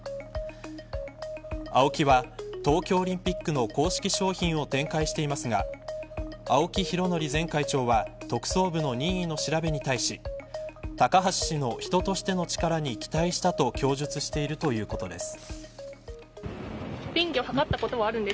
ＡＯＫＩは、東京オリンピックの公式商品を提供していますが青木前会長は特捜部の任意の調べに対し高橋氏の人としての力に期待したと供述しているということです。